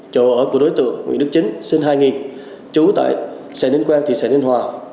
chỗ ở của đối tượng nguyễn đức chính sinh hai nghìn trú tại xã ninh quang thị xã ninh hòa